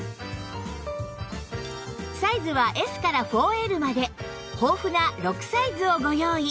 サイズは Ｓ から ４Ｌ まで豊富な６サイズをご用意